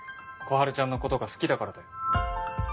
小春ちゃんのことが好きだからだよ